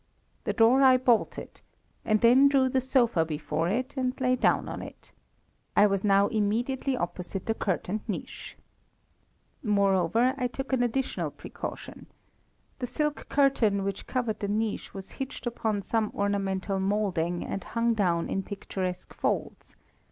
The door I bolted, and then drew the sofa before it and lay down on it. I was now immediately opposite the curtained niche. Moreover I took an additional precaution. The silk curtain which covered the niche was hitched upon some ornamental moulding, and hung down in picturesque folds.